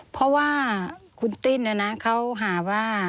เพราะว่าคุณติ้นเขาหาว่า